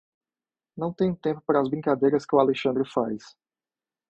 Não tenho tempo para as brincadeiras que o Alexandre faz.